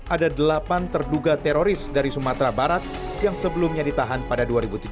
ada delapan terduga teroris dari sumatera barat yang sebelumnya ditahan pada dua ribu tujuh belas